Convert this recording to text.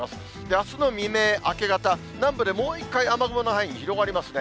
あすの未明、明け方、南部でもう一回、雨雲の範囲広がりますね。